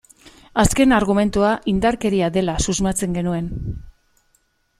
Azken argumentua indarkeria dela susmatzen genuen.